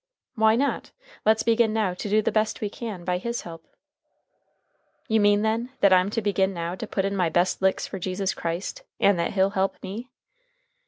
"Why not? Let's begin now to do the best we can, by his help." "You mean, then, that I'm to begin now to put in my best licks for Jesus Christ, and that he'll help me?"